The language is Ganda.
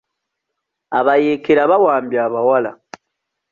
Abayeekera bawambye abawala.